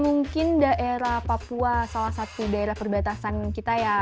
mungkin daerah papua salah satu daerah perbatasan kita ya